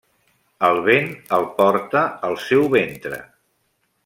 El vent el porta al seu ventre.